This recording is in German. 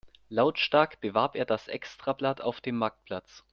Lautstark bewarb er das Extrablatt auf dem Marktplatz.